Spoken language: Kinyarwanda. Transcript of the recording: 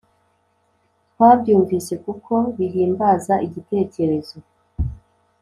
twabyumvise, kuko bihimbaza igitecyerezo